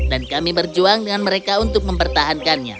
dan kami berjuang dengan mereka untuk mempertahankannya